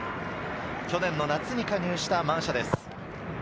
去年の夏に加入したマンシャです。